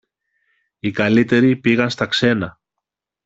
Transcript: οι καλύτεροι πήγαν στα ξένα